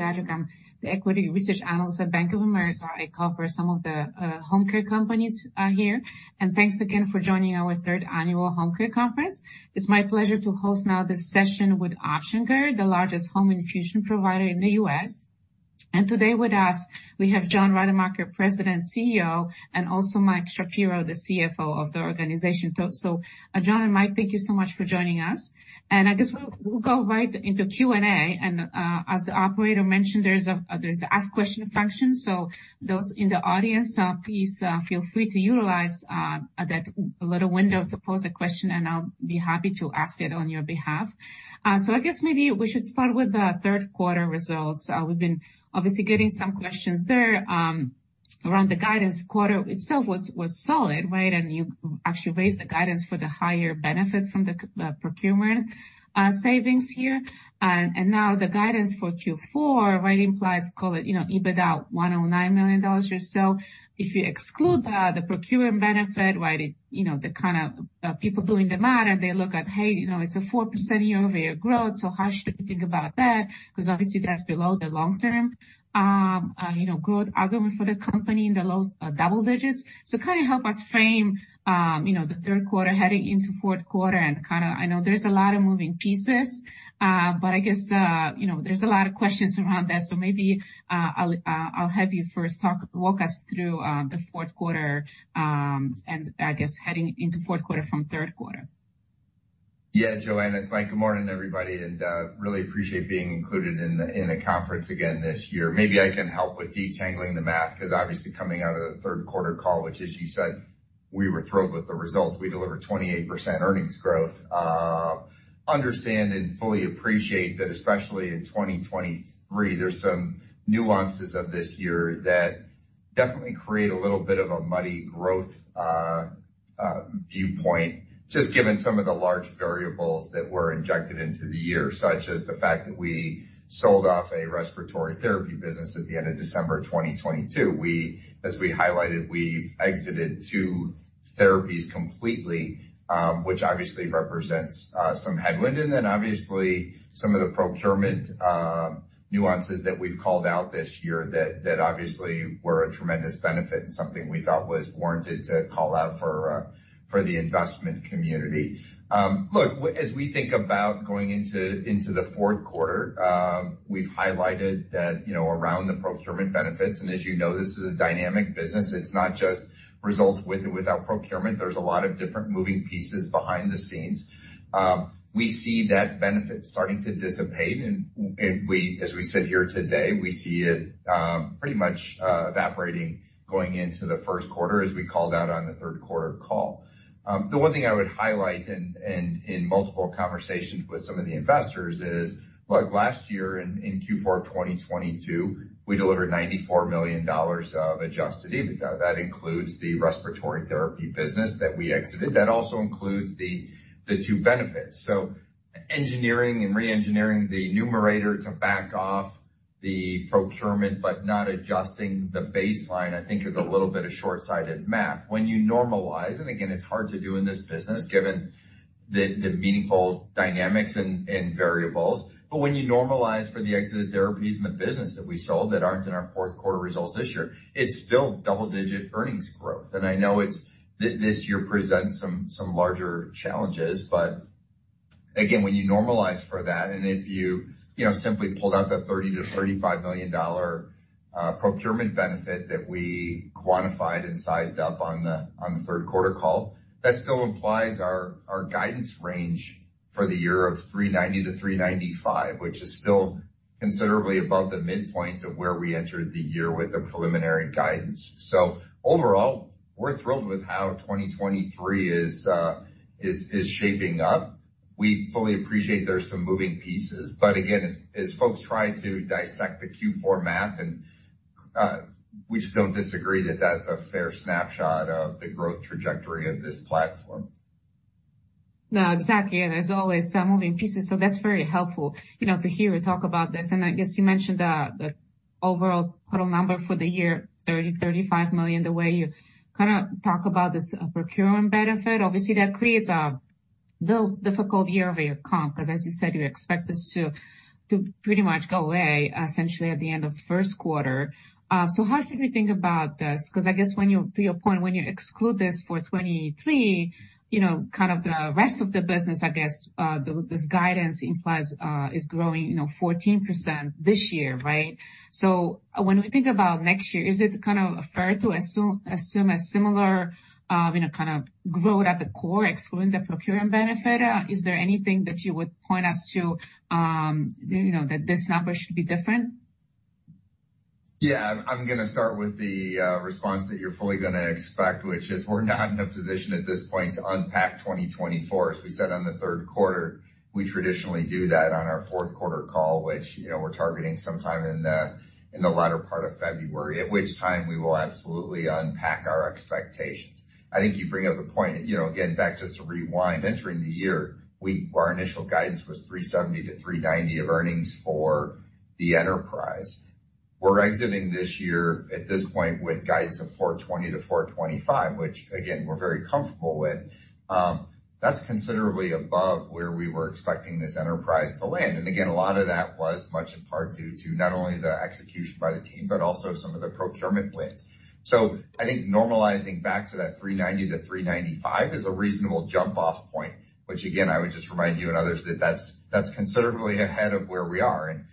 Joanna Gajuk, the Equity Research Analyst at Bank of America. I cover some of the home care companies here. And thanks again for joining our third annual Home Care Conference. It's my pleasure to host now this session with Option Care, the largest home infusion provider in the U.S. And today with us, we have John Rademacher, President, CEO, and also Mike Shapiro, the CFO of the organization. John and Mike, thank you so much for joining us. And I guess we'll go right into Q&A, and as the operator mentioned, there's an ask question function, so those in the audience please feel free to utilize that little window to pose a question, and I'll be happy to ask it on your behalf. I guess maybe we should start with the third quarter results. We've been obviously getting some questions there around the guidance. Quarter itself was solid, right? And you actually raised the guidance for the higher benefits from the procurement savings here. And now the guidance for Q4 really implies, call it, you know, EBITDA $109 million or so. If you exclude the procurement benefit, right, it, you know, the kind of people doing the math, and they look at, "Hey, you know, it's a 4% year-over-year growth, so how should we think about that?" Because obviously that's below the long term growth argument for the company in the low double digits. So kind of help us frame the third quarter heading into fourth quarter and kind of. I know there's a lot of moving pieces, but I guess, you know, there's a lot of questions around that. So maybe, I'll have you first walk us through the fourth quarter, and I guess heading into fourth quarter from third quarter. Yeah, Joanna, it's Mike. Good morning, everybody, and really appreciate being included in the conference again this year. Maybe I can help with detangling the math, because obviously coming out of the third quarter call, which, as you said, we were thrilled with the results. We delivered 28% earnings growth. Understand and fully appreciate that, especially in 2023, there's some nuances of this year that definitely create a little bit of a muddy growth viewpoint, just given some of the large variables that were injected into the year. Such as the fact that we sold off a respiratory therapy business at the end of December 2022. We, as we highlighted, we've exited two therapies completely, which obviously represents some headwind. And then obviously some of the procurement nuances that we've called out this year that obviously were a tremendous benefit and something we thought was warranted to call out for the investment community. Look, as we think about going into the fourth quarter, we've highlighted that, you know, around the procurement benefits, and as you know, this is a dynamic business. It's not just results with or without procurement. There's a lot of different moving pieces behind the scenes. We see that benefit starting to dissipate, and we, as we sit here today, we see it pretty much evaporating going into the first quarter, as we called out on the third quarter call. The one thing I would highlight in multiple conversations with some of the investors is: look, last year in Q4 of 2022, we delivered $94 million of Adjusted EBITDA. That includes the respiratory therapy business that we exited. That also includes the two benefits. So engineering and reengineering the numerator to back off the procurement, but not adjusting the baseline, I think is a little bit of short-sighted math. When you normalize, and again, it's hard to do in this business, given the meaningful dynamics and variables, but when you normalize for the exited therapies and the business that we sold that aren't in our fourth quarter results this year, it's still double-digit earnings growth. And I know it's this year presents some larger challenges. But again, when you normalize for that, and if you, you know, simply pulled out the $30-$35 million procurement benefit that we quantified and sized up on the, on the third quarter call, that still implies our, our guidance range for the year of $390 million-$395 million, which is still considerably above the midpoint of where we entered the year with the preliminary guidance. So overall, we're thrilled with how 2023 is shaping up. We fully appreciate there are some moving pieces, but again, as folks try to dissect the Q4 math, and we just don't disagree that that's a fair snapshot of the growth trajectory of this platform. No, exactly, and there's always some moving pieces, so that's very helpful, you know, to hear you talk about this. And I guess you mentioned the overall total number for the year, $35 million. The way you kind of talk about this procurement benefit, obviously that creates a bit difficult year-over-year comp, because as you said, you expect this to pretty much go away essentially at the end of the first quarter. So how should we think about this? Because I guess when you, to your point, when you exclude this for 2023, you know, kind of the rest of the business, I guess, the this guidance implies is growing, you know, 14% this year, right? So when we think about next year, is it kind of fair to assume a similar, you know, kind of growth at the core, excluding the procurement benefit? Is there anything that you would point us to, you know, that this number should be different? Yeah. I'm gonna start with the response that you're fully gonna expect, which is we're not in a position at this point to unpack 2024. As we said on the third quarter, we traditionally do that on our fourth quarter call, which, you know, we're targeting sometime in the latter part of February, at which time we will absolutely unpack our expectations. I think you bring up a point, you know, again, back just to rewind, entering the year, our initial guidance was $370-$390 of earnings for the enterprise. We're exiting this year at this point with guidance of $420-$425, which again, we're very comfortable with. That's considerably above where we were expecting this enterprise to land. Again, a lot of that was much in part due to not only the execution by the team, but also some of the procurement wins. So I think normalizing back to that $390-$395 is a reasonable jump-off point, which again, I would just remind you and others that that's considerably ahead of where we are.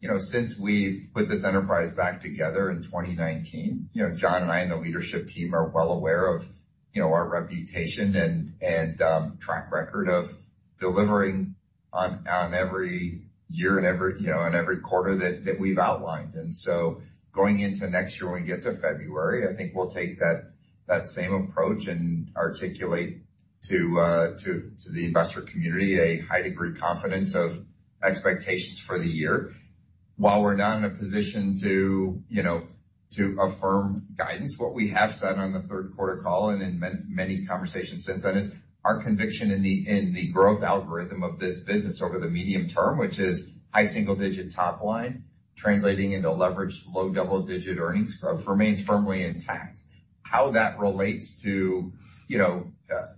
You know, since we've put this enterprise back together in 2019, you know, John and I, and the leadership team are well aware of, you know, our reputation and track record of delivering on every year and every quarter that we've outlined. And so going into next year, when we get to February, I think we'll take that, that same approach and articulate to, to, to the investor community a high degree of confidence of expectations for the year. While we're not in a position to, you know, to affirm guidance, what we have said on the third quarter call and in many, many conversations since then, is our conviction in the, in the growth algorithm of this business over the medium term, which is high single digit top line, translating into leveraged low double-digit earnings growth, remains firmly intact. How that relates to, you know,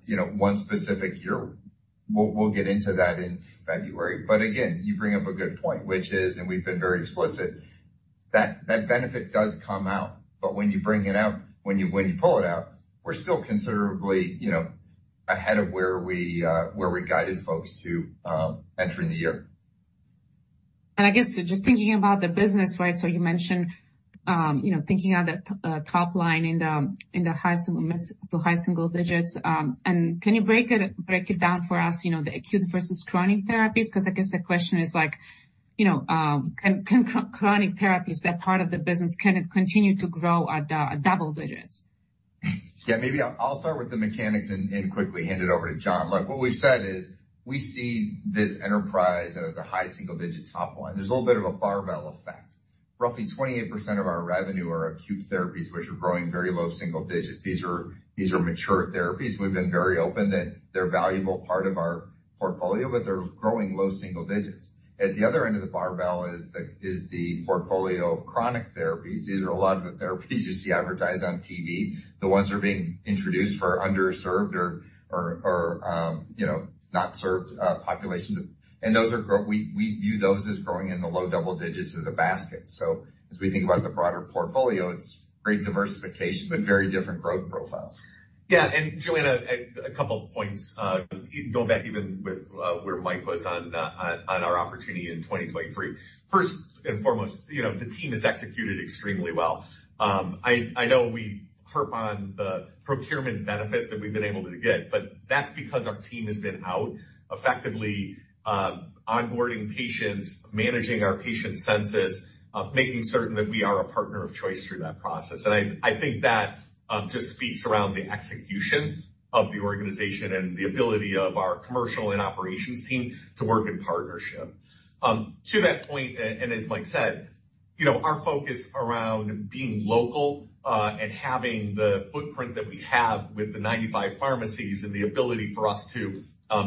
you know, one specific year, we'll, we'll get into that in February. But again, you bring up a good point, which is, and we've been very explicit, that that benefit does come out, but when you bring it out, when you pull it out, we're still considerably, you know, ahead of where we guided folks to entering the year. And I guess just thinking about the business, right? So you mentioned, you know, thinking on the top line in the high single to mid to high single digits. And can you break it down for us, you know, the acute versus chronic therapies? Because I guess the question is like, you know, can chronic therapies, that part of the business, continue to grow at double digits? Yeah, maybe I'll start with the mechanics and quickly hand it over to John. Like, what we've said is, we see this enterprise as a high single-digit top line. There's a little bit of a barbell effect. Roughly 28% of our revenue are acute therapies, which are growing very low single digits. These are mature therapies. We've been very open that they're a valuable part of our portfolio, but they're growing low single digits. At the other end of the barbell is the portfolio of chronic therapies. These are a lot of the therapies you see advertised on TV, the ones that are being introduced for underserved or, you know, not served populations. And those are. We view those as growing in the low double digits as a basket. As we think about the broader portfolio, it's great diversification, but very different growth profiles. Yeah, and Joanna, a couple of points, going back even with where Mike was on our opportunity in 2023. First and foremost, you know, the team has executed extremely well. I know we harp on the procurement benefit that we've been able to get, but that's because our team has been out effectively onboarding patients, managing our patient census, making certain that we are a partner of choice through that process. And I think that just speaks around the execution of the organization and the ability of our commercial and operations team to work in partnership. To that point, and as Mike said, you know, our focus around being local, and having the footprint that we have with the 95 pharmacies and the ability for us to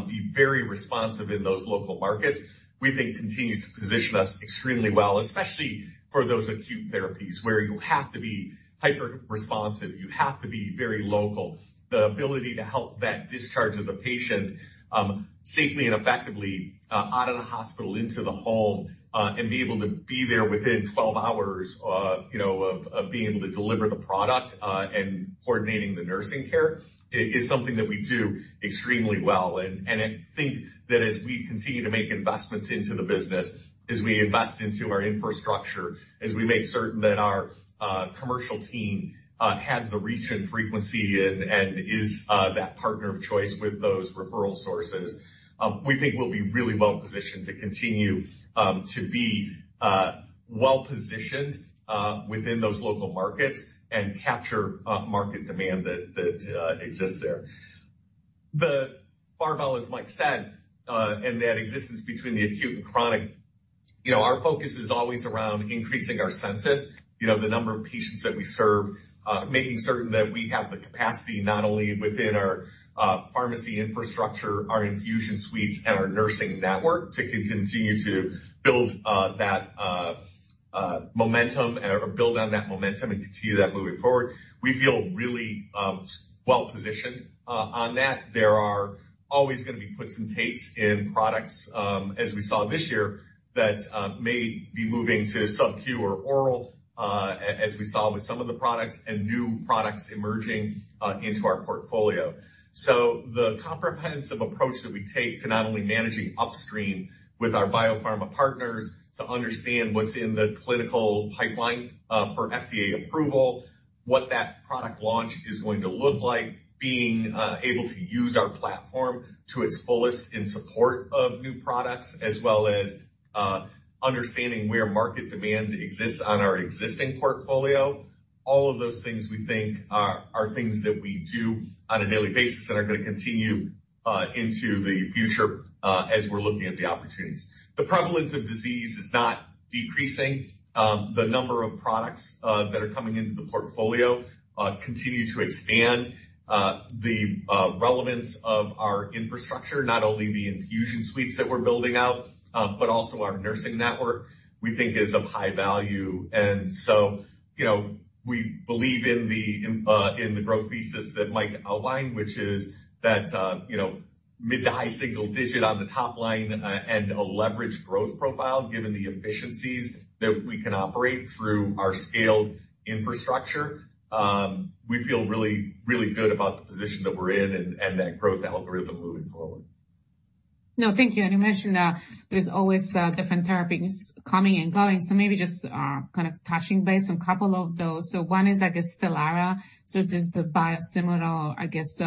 be very responsive in those local markets, we think continues to position us extremely well, especially for those acute therapies, where you have to be hyperresponsive, you have to be very local. The ability to help that discharge of a patient safely and effectively out of the hospital into the home, and be able to be there within 12 hours, you know, of being able to deliver the product and coordinating the nursing care, is something that we do extremely well. I think that as we continue to make investments into the business, as we invest into our infrastructure, as we make certain that our commercial team has the reach and frequency and is that partner of choice with those referral sources, we think we'll be really well positioned to continue to be well positioned within those local markets and capture market demand that exists there. The barbell, as Mike said, and that existence between the acute and chronic, you know, our focus is always around increasing our census, you know, the number of patients that we serve, making certain that we have the capacity, not only within our pharmacy infrastructure, our infusion suites, and our nursing network, to continue to build that momentum or build on that momentum and continue that moving forward. We feel really well positioned on that. There are always gonna be puts and takes in products, as we saw this year, that may be moving to sub-Q or oral, as we saw with some of the products, and new products emerging into our portfolio. So the comprehensive approach that we take to not only managing upstream with our biopharma partners to understand what's in the clinical pipeline for FDA approval, what that product launch is going to look like, being able to use our platform to its fullest in support of new products, as well as understanding where market demand exists on our existing portfolio. All of those things we think are things that we do on a daily basis and are gonna continue into the future as we're looking at the opportunities. The prevalence of disease is not decreasing. The number of products that are coming into the portfolio continue to expand. The relevance of our infrastructure, not only the infusion suites that we're building out, but also our nursing network, we think is of high value. And so, you know, we believe in the growth thesis that Mike outlined, which is that, you know, mid- to high-single-digit on the top line, and a leveraged growth profile, given the efficiencies that we can operate through our scaled infrastructure. We feel really, really good about the position that we're in and that growth algorithm moving forward. No, thank you. You mentioned there's always different therapies coming and going, so maybe just kind of touching base on a couple of those. So one is, I guess, Stelara. So there's the biosimilar, I guess,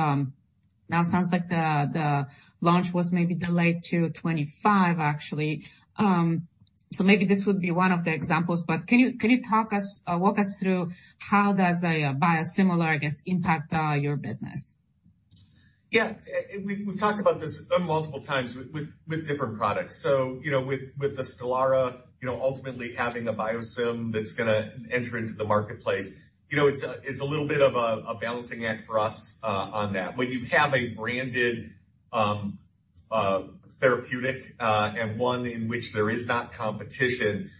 now it sounds like the launch was maybe delayed to 2025, actually. So maybe this would be one of the examples, but can you, can you talk us, walk us through how does a biosimilar, I guess, impact your business? Yeah. We've talked about this multiple times with different products. So, you know, with the Stelara, you know, ultimately having a biosim that's gonna enter into the marketplace, you know, it's a little bit of a balancing act for us on that. When you have a branded therapeutic and one in which there is not competition,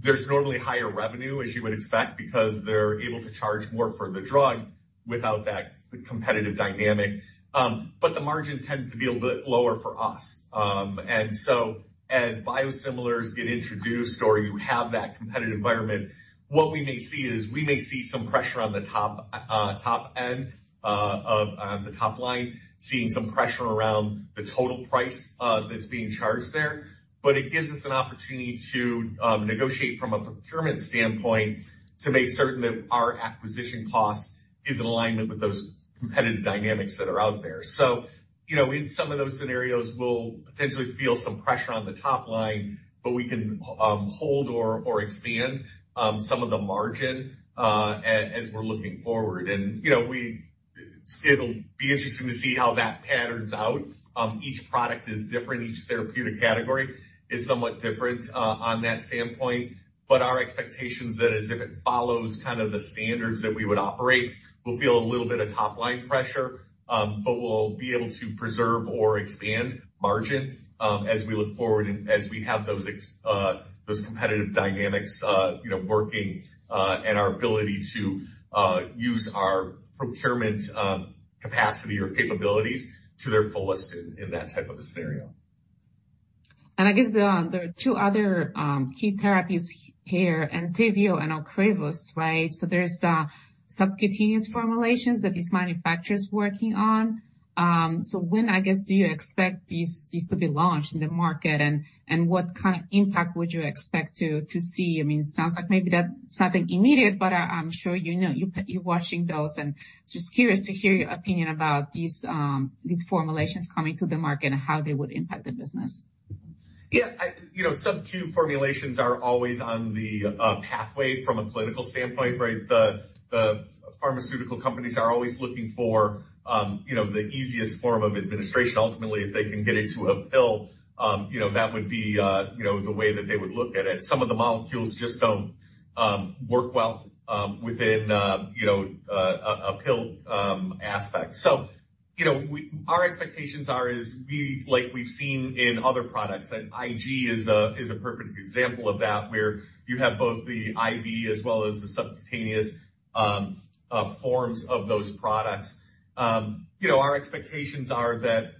there's normally higher revenue, as you would expect, because they're able to charge more for the drug without that competitive dynamic. But the margin tends to be a little bit lower for us. And so as biosimilars get introduced or you have that competitive environment, what we may see is we may see some pressure on the top end of the top line, seeing some pressure around the total price that's being charged there. But it gives us an opportunity to negotiate from a procurement standpoint, to make certain that our acquisition cost is in alignment with those competitive dynamics that are out there. So, you know, in some of those scenarios, we'll potentially feel some pressure on the top line, but we can hold or expand some of the margin as we're looking forward. And, you know, it'll be interesting to see how that patterns out. Each product is different, each therapeutic category is somewhat different on that standpoint. But our expectation is that as if it follows kind of the standards that we would operate, we'll feel a little bit of top-line pressure, but we'll be able to preserve or expand margin, as we look forward and as we have those competitive dynamics, you know, working, and our ability to use our procurement capacity or capabilities to their fullest in that type of a scenario. And I guess there are two other key therapies here, Entyvio and Ocrevus, right? So there's subcutaneous formulations that these manufacturers are working on. So when, I guess, do you expect these to be launched in the market, and what kind of impact would you expect to see? I mean, it sounds like maybe that's nothing immediate, but I'm sure you know, you're watching those, and just curious to hear your opinion about these formulations coming to the market and how they would impact the business. Yeah, you know, sub-Q formulations are always on the pathway from a political standpoint, right? The pharmaceutical companies are always looking for, you know, the easiest form of administration. Ultimately, if they can get it to a pill, you know, that would be, you know, the way that they would look at it. Some of the molecules just don't work well within, you know, a pill aspect. So, you know, our expectations are like we've seen in other products, and IG is a perfect example of that, where you have both the IV as well as the subcutaneous forms of those products. You know, our expectations are that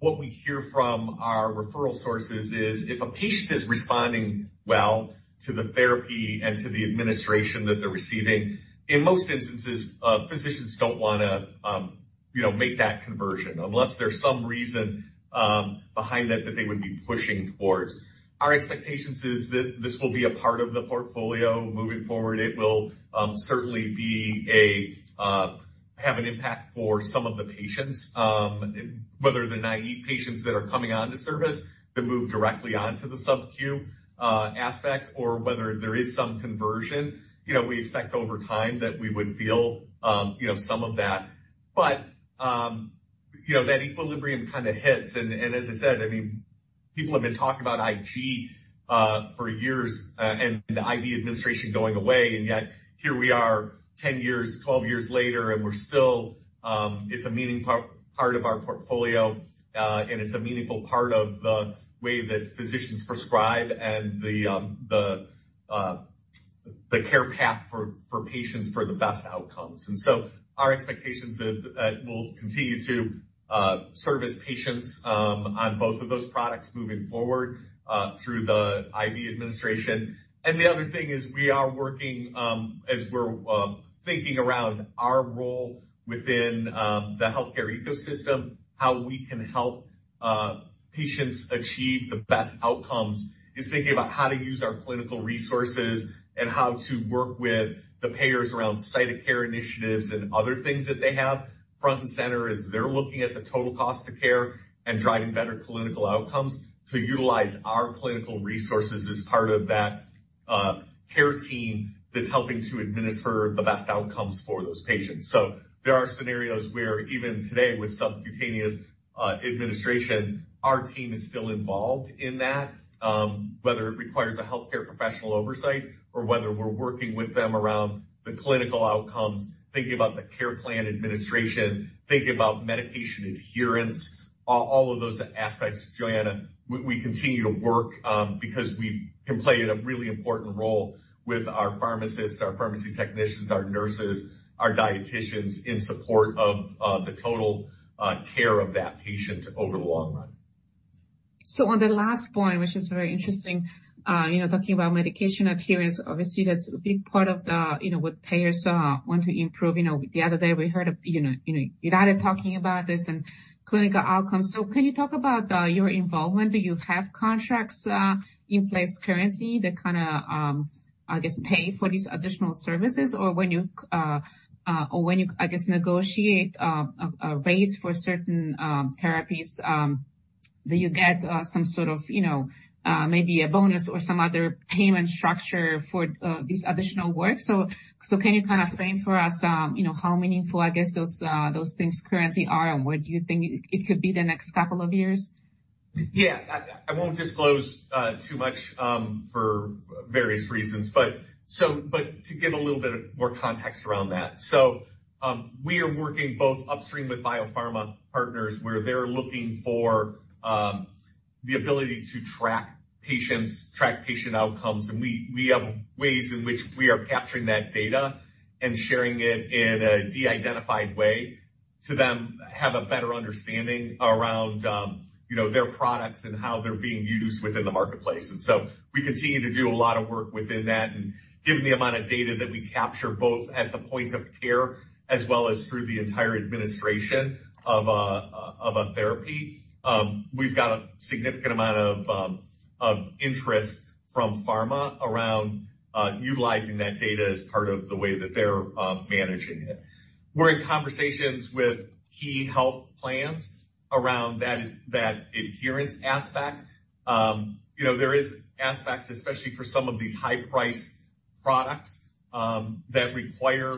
what we hear from our referral sources is, if a patient is responding well to the therapy and to the administration that they're receiving, in most instances, physicians don't wanna make that conversion unless there's some reason behind that that they would be pushing towards. Our expectations is that this will be a part of the portfolio moving forward. It will certainly have an impact for some of the patients, whether they're naive patients that are coming on to service, that move directly on to the sub-Q aspect, or whether there is some conversion. You know, we expect over time that we would feel some of that. But, you know, that equilibrium kinda hits, and as I said, I mean, people have been talking about IG for years, and the IV administration going away, and yet here we are, 10 years, 12 years later, and we're still—it's a meaning part of our portfolio, and it's a meaningful part of the way that physicians prescribe and the care path for patients for the best outcomes. And so our expectations is that we'll continue to service patients on both of those products moving forward through the IV administration. The other thing is we are working, as we're thinking around our role within the healthcare ecosystem, how we can help patients achieve the best outcomes, is thinking about how to use our clinical resources and how to work with the payers around site of care initiatives and other things that they have. Front and center is they're looking at the total cost of care and driving better clinical outcomes to utilize our clinical resources as part of that care team that's helping to administer the best outcomes for those patients. So there are scenarios where, even today, with subcutaneous administration, our team is still involved in that, whether it requires a healthcare professional oversight or whether we're working with them around the clinical outcomes, thinking about the care plan administration, thinking about medication adherence, all of those aspects, Joanna, we continue to work because we can play a really important role with our pharmacists, our pharmacy technicians, our nurses, our dieticians in support of the total care of that patient over the long run. So on the last point, which is very interesting, you know, talking about medication adherence, obviously, that's a big part of the, you know, what payers want to improve. You know, the other day we heard of, you know, Irada talking about this and clinical outcomes. So can you talk about your involvement? Do you have contracts in place currently that kinda, I guess, pay for these additional services? Or when you, I guess, negotiate a rate for certain therapies, do you get some sort of, you know, maybe a bonus or some other payment structure for this additional work? So, can you kind of frame for us, you know, how meaningful, I guess, those things currently are and what you think it could be the next couple of years? Yeah. I won't disclose too much for various reasons, but, but to give a little bit more context around that. So, we are working both upstream with biopharma partners, where they're looking for the ability to track patients, track patient outcomes, and we have ways in which we are capturing that data and sharing it in a de-identified way to then have a better understanding around, you know, their products and how they're being used within the marketplace. And so we continue to do a lot of work within that, and given the amount of data that we capture, both at the point of care as well as through the entire administration of a therapy, we've got a significant amount of interest from pharma around utilizing that data as part of the way that they're managing it. We're in conversations with key health plans around that adherence aspect. You know, there is aspects, especially for some of these high-priced products, that require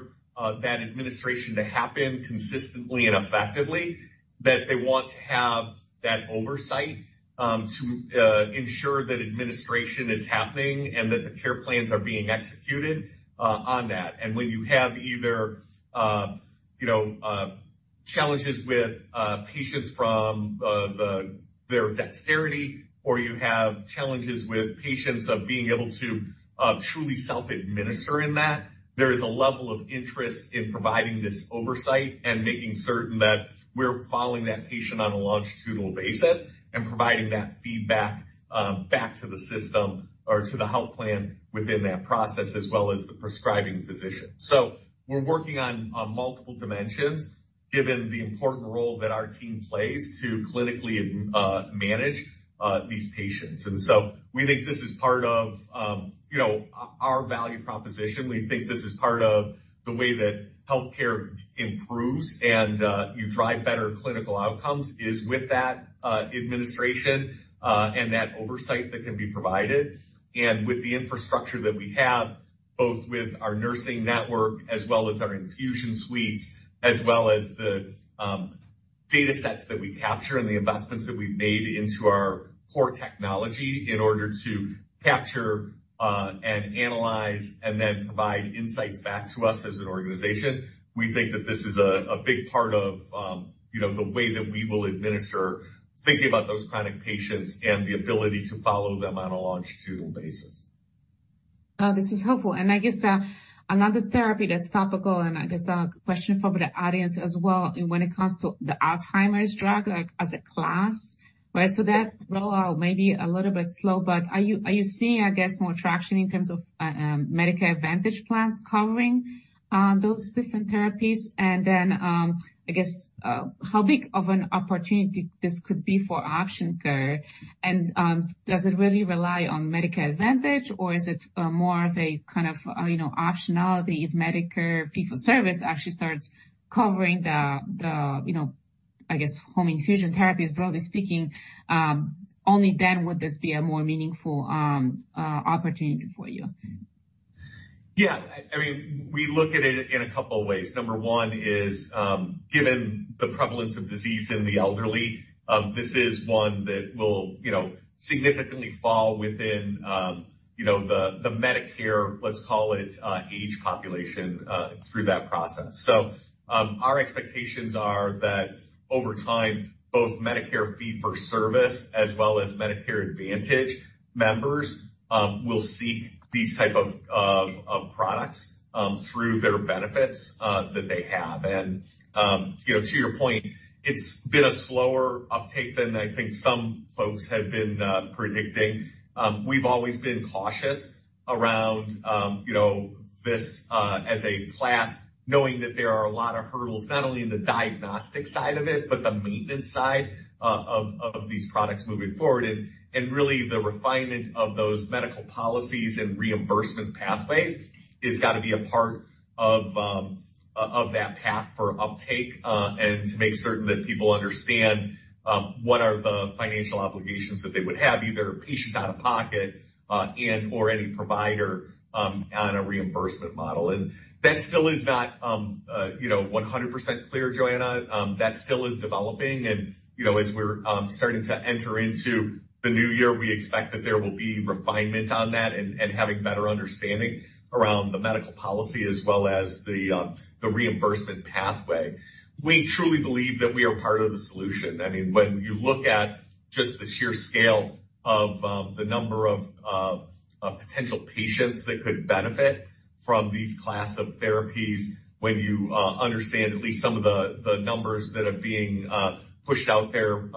that administration to happen consistently and effectively, that they want to have that oversight to ensure that administration is happening and that the care plans are being executed on that. When you have either, you know, challenges with patients from their dexterity, or you have challenges with patients of being able to truly self-administer in that, there is a level of interest in providing this oversight and making certain that we're following that patient on a longitudinal basis and providing that feedback back to the system or to the health plan within that process, as well as the prescribing physician. We're working on multiple dimensions, given the important role that our team plays to clinically manage these patients. We think this is part of, you know, our value proposition. We think this is part of the way that healthcare improves and you drive better clinical outcomes, is with that administration and that oversight that can be provided. With the infrastructure that we have, both with our nursing network as well as our infusion suites, as well as the data sets that we capture and the investments that we've made into our core technology in order to capture and analyze and then provide insights back to us as an organization, we think that this is a big part of, you know, the way that we will administer thinking about those chronic patients and the ability to follow them on a longitudinal basis. This is helpful, and I guess, another therapy that's topical and I guess a question from the audience as well, when it comes to the Alzheimer's drug, like, as a class, right? So that rollout may be a little bit slow, but are you seeing, I guess, more traction in terms of, Medicare Advantage plans covering, those different therapies? And then, I guess, how big of an opportunity this could be for Option Care, and, does it really rely on Medicare Advantage, or is it, more of a kind of, you know, optionality if Medicare Fee-for-Service actually starts covering the, you know, I guess, home infusion therapies, broadly speaking, only then would this be a more meaningful opportunity for you? Yeah, I mean, we look at it in a couple of ways. Number 1 is, given the prevalence of disease in the elderly, this is one that will, you know, significantly fall within, you know, the Medicare, let's call it, age population, through that process. So, our expectations are that over time, both Medicare Fee-for-Service, as well as Medicare Advantage members, will seek these type of products, through their benefits, that they have. And, you know, to your point, it's been a slower uptake than I think some folks had been, predicting. We've always been cautious around, you know, this, as a class, knowing that there are a lot of hurdles, not only in the diagnostic side of it, but the maintenance side, of these products moving forward. And really, the refinement of those medical policies and reimbursement pathways has got to be a part of that path for uptake, and to make certain that people understand what are the financial obligations that they would have, either patient out-of-pocket, and/or any provider on a reimbursement model. And that still is not, you know, 100% clear, Joanna. That still is developing. And, you know, as we're starting to enter into the new year, we expect that there will be refinement on that and having better understanding around the medical policy as well as the reimbursement pathway. We truly believe that we are part of the solution. I mean, when you look at just the sheer scale of the number of potential patients that could benefit from these class of therapies. When you understand at least some of the numbers that are being pushed out there,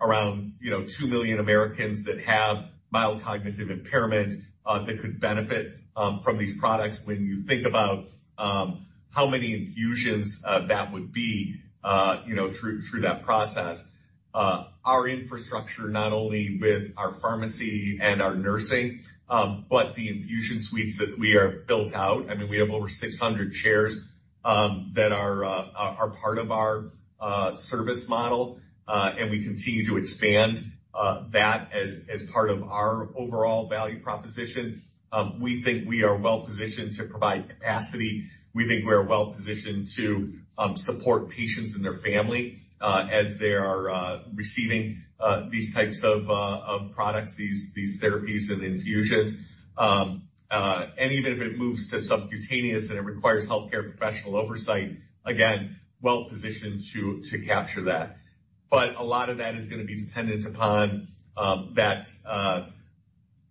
around, you know, 2 million Americans that have mild cognitive impairment that could benefit from these products. When you think about how many infusions that would be, you know, through that process, our infrastructure, not only with our pharmacy and our nursing, but the infusion suites that we are built out. I mean, we have over 600 chairs that are part of our service model, and we continue to expand that as part of our overall value proposition. We think we are well positioned to provide capacity. We think we are well positioned to support patients and their family as they are receiving these types of products, these therapies and infusions. And even if it moves to subcutaneous and it requires healthcare professional oversight, again, well positioned to capture that. But a lot of that is going to be dependent upon that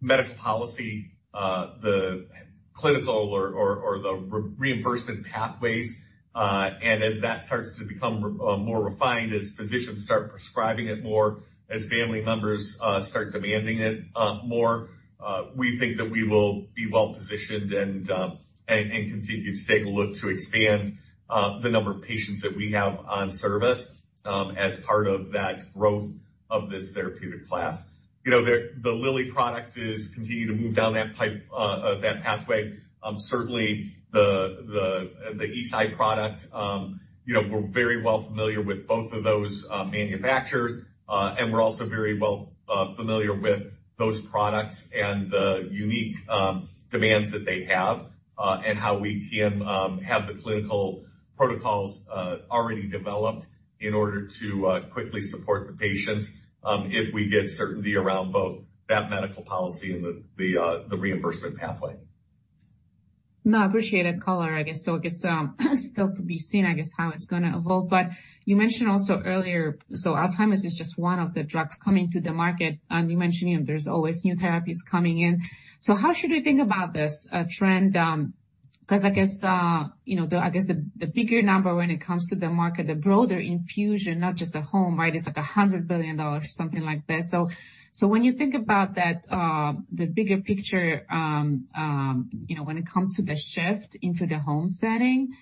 medical policy, the clinical or the reimbursement pathways. And as that starts to become more refined, as physicians start prescribing it more, as family members start demanding it more, we think that we will be well positioned and continue to take a look to expand the number of patients that we have on service as part of that growth of this therapeutic class. You know, the Lilly product is continuing to move down that pipeline, that pathway. Certainly the Eisai product, you know, we're very well familiar with both of those manufacturers, and we're also very well familiar with those products and the unique demands that they have, and how we can have the clinical protocols already developed in order to quickly support the patients, if we get certainty around both that medical policy and the reimbursement pathway. No, I appreciate it, caller. I guess so, I guess, still to be seen, I guess, how it's gonna evolve. But you mentioned also earlier, so Alzheimer's is just one of the drugs coming to the market, and you mentioned there's always new therapies coming in. So how should we think about this, trend. Because I guess, you know, the, I guess, the bigger number when it comes to the market, the broader infusion, not just the home, right, is like $100 billion, something like that. So when you think about that, the bigger picture, you know, when it comes to the shift into the home setting,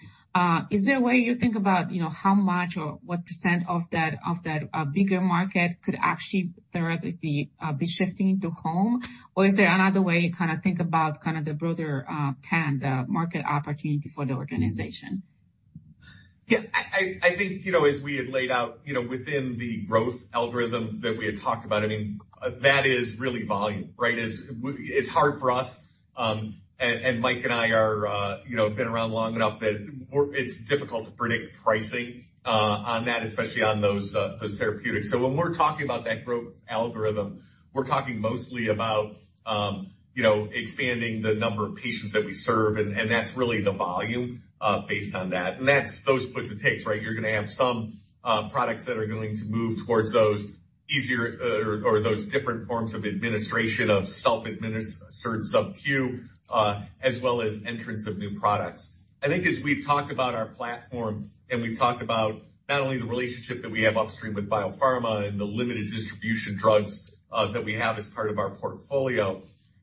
is there a way you think about, you know, how much or what percent of that, of that bigger market could actually therapeutically be shifting into home? Or is there another way you kind of think about kind of the broader market opportunity for the organization? Yeah, I think, you know, as we had laid out, you know, within the growth algorithm that we had talked about, I mean, that is really volume, right? It's hard for us, and Mike and I are, you know, been around long enough that we're it's difficult to predict pricing on that, especially on those therapeutics. So when we're talking about that growth algorithm, we're talking mostly about, you know, expanding the number of patients that we serve, and that's really the volume based on that. And that's those puts and takes, right? You're gonna have some products that are going to move towards those easier, or those different forms of administration, of self-administer, certain subQ, as well as entrants of new products. I think as we've talked about our platform and we've talked about not only the relationship that we have upstream with biopharma and the limited distribution drugs that we have as part of our portfolio,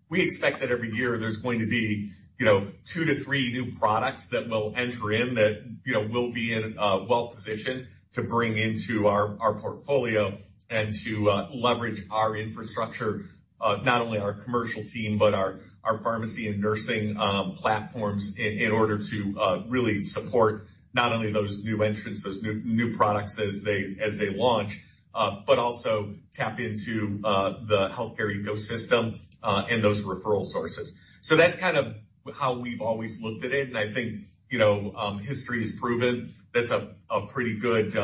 we expect that every year there's going to be, you know, 2-3 new products that will enter in, that, you know, we'll be well positioned to bring into our portfolio and to leverage our infrastructure, not only our commercial team, but our pharmacy and nursing platforms in order to really support not only those new entrants, those new products as they launch, but also tap into the healthcare ecosystem and those referral sources. So that's kind of how we've always looked at it, and I think, you know, history has proven that's a pretty good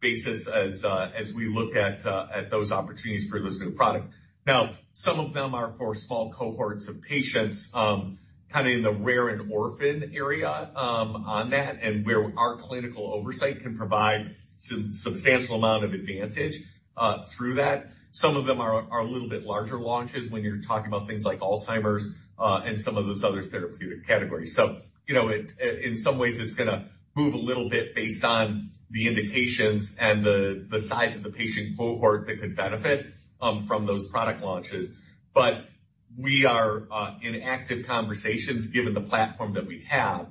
basis as we look at those opportunities for those new products. Now, some of them are for small cohorts of patients, kind of in the rare and orphan area, on that, and where our clinical oversight can provide substantial amount of advantage through that. Some of them are a little bit larger launches when you're talking about things like Alzheimer's and some of those other therapeutic categories. So, you know, it, in some ways, it's gonna move a little bit based on the indications and the size of the patient cohort that could benefit from those product launches. But we are in active conversations given the platform that we have.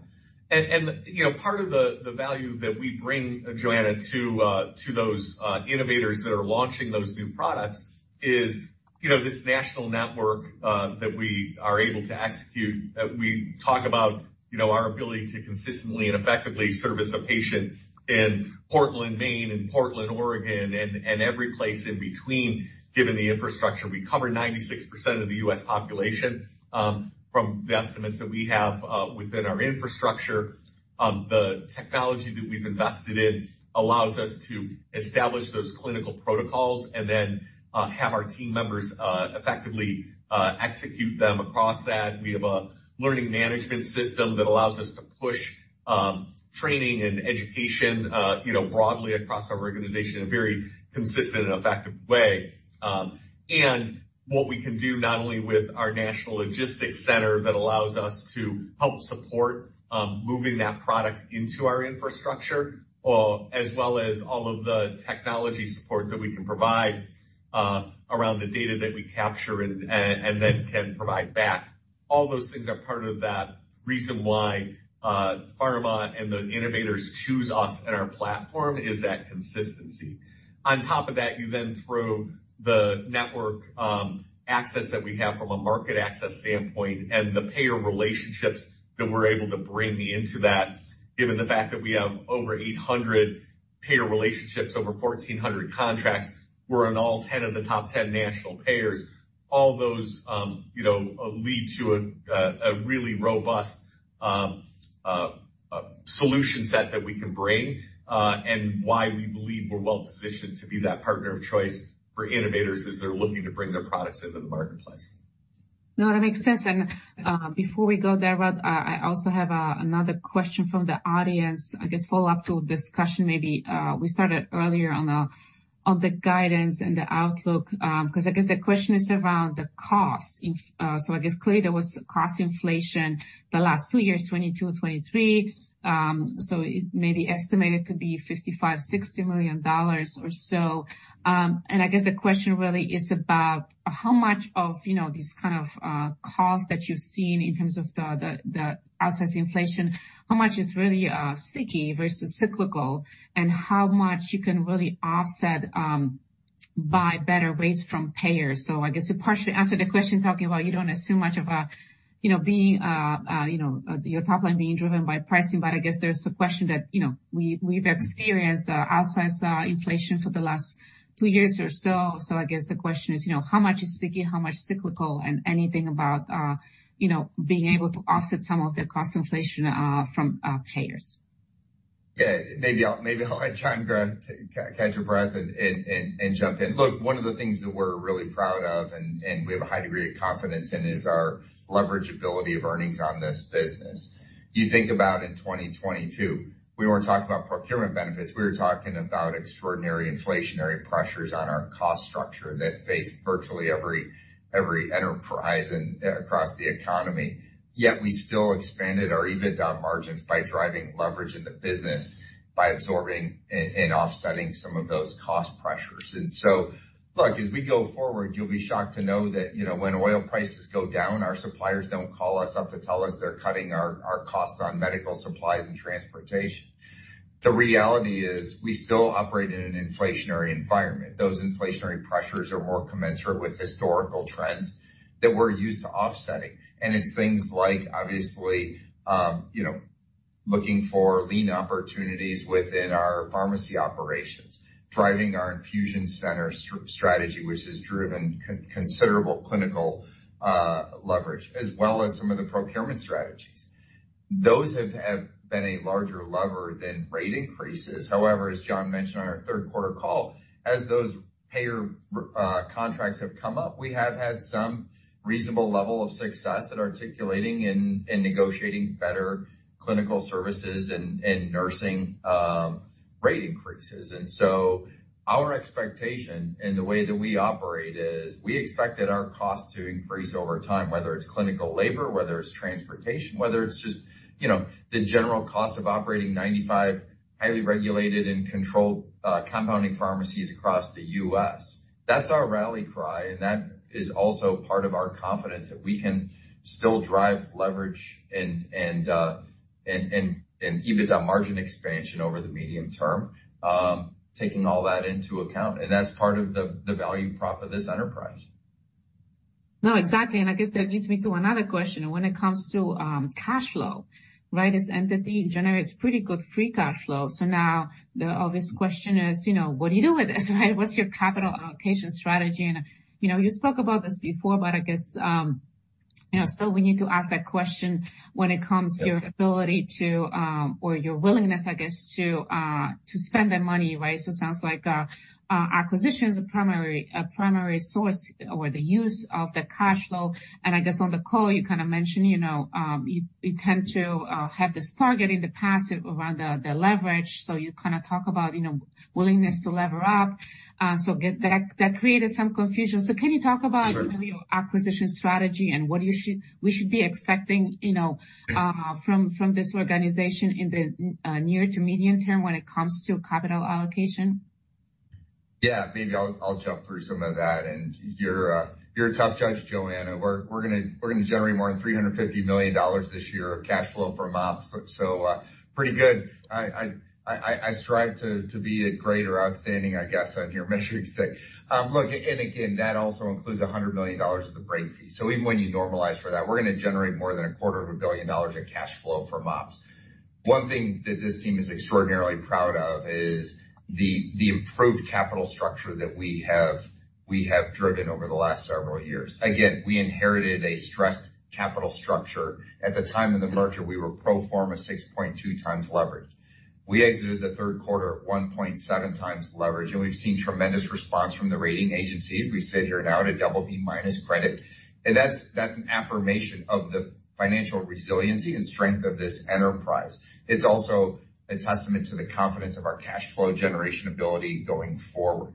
You know, part of the value that we bring, Joanna, to those innovators that are launching those new products is, you know, this national network that we are able to execute. We talk about, you know, our ability to consistently and effectively service a patient in Portland, Maine, and Portland, Oregon, and every place in between, given the infrastructure. We cover 96% of the U.S. population, from the estimates that we have, within our infrastructure. The technology that we've invested in allows us to establish those clinical protocols and then have our team members effectively execute them across that. We have a learning management system that allows us to push training and education, you know, broadly across our organization in a very consistent and effective way. And what we can do not only with our national logistics center, that allows us to help support moving that product into our infrastructure, as well as all of the technology support that we can provide around the data that we capture and then can provide back. All those things are part of that reason why pharma and the innovators choose us and our platform is that consistency. On top of that, you then throw the network access that we have from a market access standpoint and the payer relationships that we're able to bring into that, given the fact that we have over 800 payer relationships, over 1,400 contracts, we're in all 10 of the top 10 national payers. All those, you know, lead to a really robust solution set that we can bring, and why we believe we're well positioned to be that partner of choice for innovators as they're looking to bring their products into the marketplace. No, that makes sense. Before we go there, but I also have another question from the audience. I guess follow up to a discussion, maybe, we started earlier on the guidance and the outlook, because I guess the question is around the cost in. So I guess clearly there was cost inflation the last two years, 2022, 2023. So it may be estimated to be $55-$60 million or so. And I guess the question really is about how much of, you know, these kind of costs that you've seen in terms of the outsized inflation, how much is really sticky versus cyclical, and how much you can really offset by better rates from payers? So I guess you partially answered the question, talking about you don't assume much of a, you know, being, you know, your top line being driven by pricing. But I guess there's a question that, you know, we, we've experienced the outsized inflation for the last two years or so. So I guess the question is, you know, how much is sticky, how much cyclical, and anything about, you know, being able to offset some of the cost inflation from payers. Yeah, maybe I'll try and grab, catch my breath and jump in. Look, one of the things that we're really proud of, and we have a high degree of confidence in, is our leverage ability of earnings on this business. You think about in 2022, we weren't talking about procurement benefits. We were talking about extraordinary inflationary pressures on our cost structure that faced virtually every enterprise and across the economy. Yet we still expanded our EBITDA margins by driving leverage in the business, by absorbing and offsetting some of those cost pressures. And so, look, as we go forward, you'll be shocked to know that, you know, when oil prices go down, our suppliers don't call us up to tell us they're cutting our costs on medical supplies and transportation. The reality is, we still operate in an inflationary environment. Those inflationary pressures are more commensurate with historical trends that we're used to offsetting. And it's things like, obviously, you know, looking for lean opportunities within our pharmacy operations, driving our infusion center strategy, which has driven considerable clinical leverage, as well as some of the procurement strategies. Those have been a larger lever than rate increases. However, as John mentioned on our third quarter call, as those payer contracts have come up, we have had some reasonable level of success at articulating and negotiating better clinical services and nursing rate increases. And so our expectation and the way that we operate is we expect that our costs to increase over time, whether it's clinical labor, whether it's transportation, whether it's just, you know, the general cost of operating 95 highly regulated and controlled compounding pharmacies across the U.S. That's our rally cry, and that is also part of our confidence that we can still drive leverage and EBITDA margin expansion over the medium term, taking all that into account. And that's part of the value prop of this enterprise. No, exactly, and I guess that leads me to another question. When it comes to cash flow, right, this entity generates pretty good free cash flow. So now the obvious question is, you know, what do you do with this, right? What's your capital allocation strategy? And, you know, you spoke about this before, but I guess, you know, still we need to ask that question when it comes to your ability to, or your willingness, I guess, to spend that money, right? So it sounds like acquisition is a primary, a primary source, or the use of the cash flow. And I guess on the call, you kind of mentioned, you know, you tend to have this target in the past around the leverage. So you kind of talk about, you know, willingness to lever up. That, that created some confusion. So can you talk about- Sure. your acquisition strategy and what you should, we should be expecting, you know, from, from this organization in the near to medium term when it comes to capital allocation? Yeah, maybe I'll jump through some of that. And you're a tough judge, Joanna. We're gonna generate more than $350 million this year of cash flow from ops. So, pretty good. I strive to be a great or outstanding, I guess, on your measuring stick. Look, and again, that also includes $100 million of the break fee. So even when you normalize for that, we're gonna generate more than $250 million in cash flow from ops. One thing that this team is extraordinarily proud of is the improved capital structure that we have driven over the last several years. Again, we inherited a stressed capital structure. At the time of the merger, we were pro forma 6.2x leverage. We exited the third quarter at 1.7 times leverage, and we've seen tremendous response from the rating agencies. We sit here now at a BB- credit, and that's, that's an affirmation of the financial resiliency and strength of this enterprise. It's also a testament to the confidence of our cash flow generation ability going forward.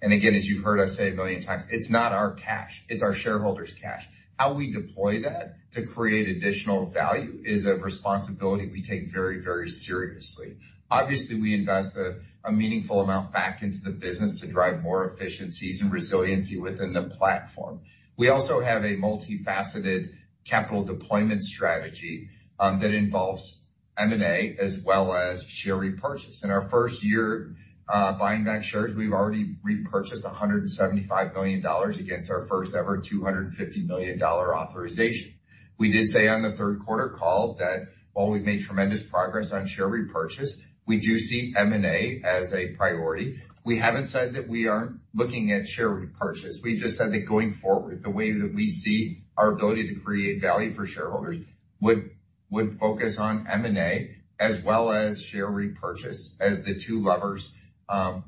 And again, as you've heard us say a million times, it's not our cash, it's our shareholders' cash. How we deploy that to create additional value is a responsibility we take very, very seriously. Obviously, we invest a meaningful amount back into the business to drive more efficiencies and resiliency within the platform. We also have a multifaceted capital deployment strategy that involves M&A as well as share repurchase. In our first year buying back shares, we've already repurchased $175 million against our first-ever $250 million authorization. We did say on the third quarter call that while we've made tremendous progress on share repurchase, we do see M&A as a priority. We haven't said that we aren't looking at share repurchase. We just said that going forward, the way that we see our ability to create value for shareholders would, would focus on M&A as well as share repurchase as the two levers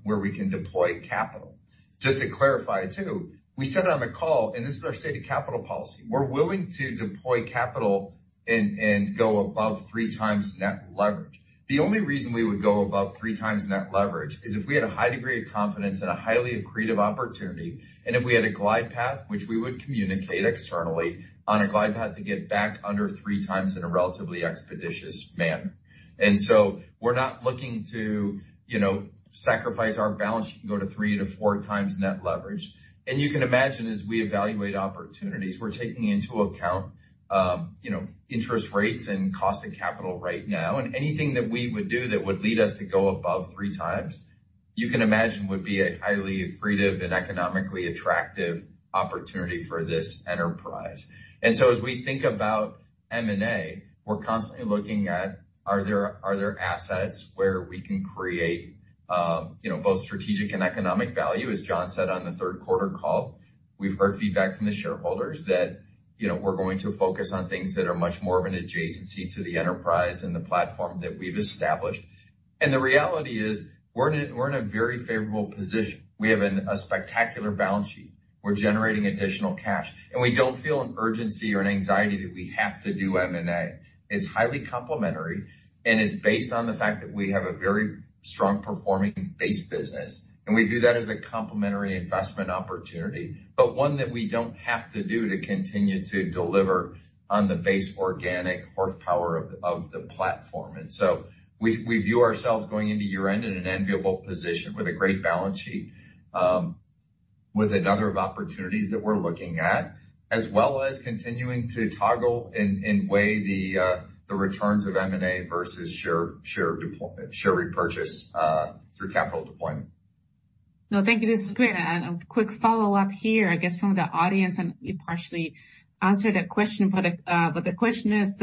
where we can deploy capital. Just to clarify, too, we said it on the call, and this is our stated capital policy: We're willing to deploy capital and, and go above 3 times net leverage. The only reason we would go above 3x net leverage is if we had a high degree of confidence and a highly accretive opportunity, and if we had a glide path, which we would communicate externally, on a glide path to get back under 3x in a relatively expeditious manner. We're not looking to, you know, sacrifice our balance sheet and go to 3x-4x net leverage. You can imagine, as we evaluate opportunities, we're taking into account, you know, interest rates and cost of capital right now. Anything that we would do that would lead us to go above 3x, you can imagine, would be a highly accretive and economically attractive opportunity for this enterprise. And so as we think about M&A, we're constantly looking at, are there, are there assets where we can create, you know, both strategic and economic value? As John said on the third quarter call, we've heard feedback from the shareholders that, you know, we're going to focus on things that are much more of an adjacency to the enterprise and the platform that we've established. And the reality is, we're in a very favorable position. We have a spectacular balance sheet. We're generating additional cash, and we don't feel an urgency or an anxiety that we have to do M&A. It's highly complementary, and it's based on the fact that we have a very strong performing base business, and we view that as a complementary investment opportunity, but one that we don't have to do to continue to deliver on the base organic horsepower of the platform. And so we view ourselves going into year-end in an enviable position with a great balance sheet, with a number of opportunities that we're looking at, as well as continuing to toggle and weigh the returns of M&A versus share repurchase through capital deployment. No, thank you. This is great. And a quick follow-up here, I guess, from the audience, and you partially answered that question, but, but the question is,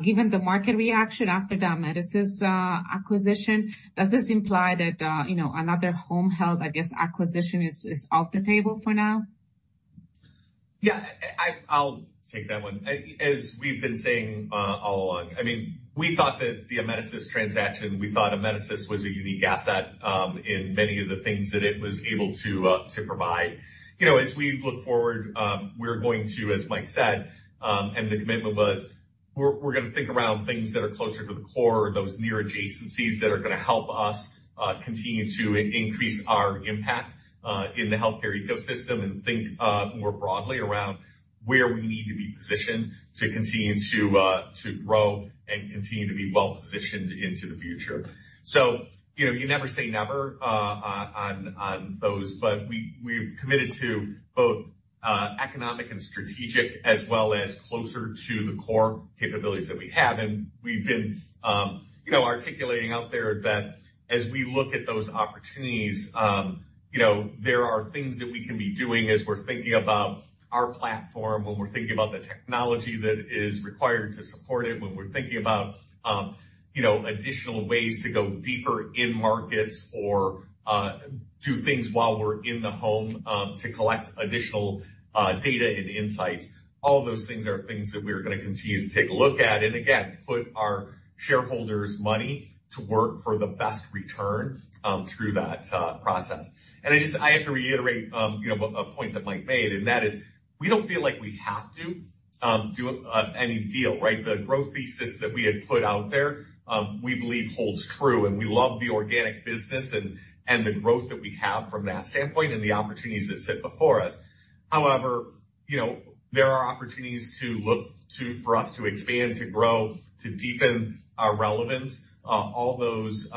given the market reaction after the Amedisys acquisition, does this imply that, you know, another home health, I guess, acquisition is, is off the table for now? Yeah, I'll take that one. As we've been saying all along, I mean, we thought that the Amedisys transaction, we thought Amedisys was a unique asset in many of the things that it was able to provide. You know, as we look forward, we're going to, as Mike said, and the commitment was, we're gonna think around things that are closer to the core or those near adjacencies that are gonna help us continue to increase our impact in the healthcare ecosystem and think more broadly around where we need to be positioned to continue to grow and continue to be well positioned into the future. So, you know, you never say never on those, but we, we've committed to both economic and strategic, as well as closer to the core capabilities that we have. And we've been, you know, articulating out there that as we look at those opportunities, you know, there are things that we can be doing as we're thinking about our platform, when we're thinking about the technology that is required to support it, when we're thinking about, you know, additional ways to go deeper in markets or do things while we're in the home to collect additional data and insights. All those things are things that we're gonna continue to take a look at, and again, put our shareholders' money to work for the best return through that process. I just have to reiterate, you know, a point that Mike made, and that is we don't feel like we have to do any deal, right? The growth thesis that we had put out there, we believe holds true, and we love the organic business and the growth that we have from that standpoint and the opportunities that sit before us. However, you know, there are opportunities to look to, for us to expand, to grow, to deepen our relevance, all those,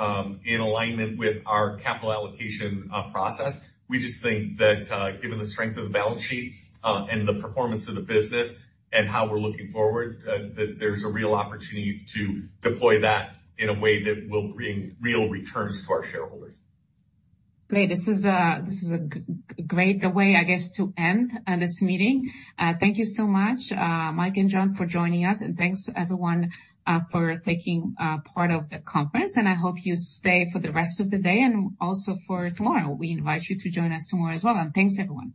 in alignment with our capital allocation process. We just think that, given the strength of the balance sheet, and the performance of the business and how we're looking forward, that there's a real opportunity to deploy that in a way that will bring real returns to our shareholders. Great. This is a great way, I guess, to end this meeting. Thank you so much, Mike and John, for joining us, and thanks, everyone, for taking part of the conference, and I hope you stay for the rest of the day and also for tomorrow. We invite you to join us tomorrow as well. Thanks, everyone.